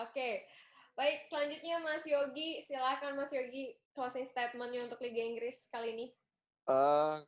oke baik selanjutnya mas yogi silahkan mas yogi closing statementnya untuk liga inggris kali ini